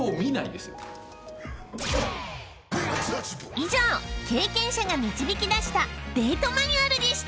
以上経験者が導き出したデートマニュアルでした。